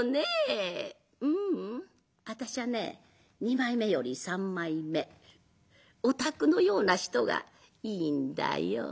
「ううんあたしゃね二枚目より三枚目お宅のような人がいいんだよ」。